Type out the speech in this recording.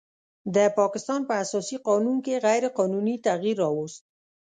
د پاکستان په اساسي قانون کې غیر قانوني تغیر راوست